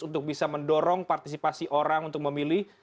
untuk bisa mendorong partisipasi orang untuk memilih